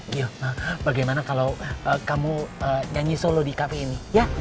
gio bagaimana kalau kamu nyanyi solo di kafe ini